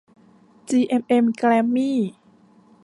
จีเอ็มเอ็ม แกรมมี่